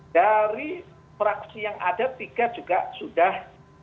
dari fraksi yang ada tiga juga sudah